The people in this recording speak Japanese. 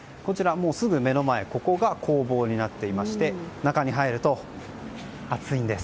すぐ目の前ここが工房になっていまして中に入ると暑いんです。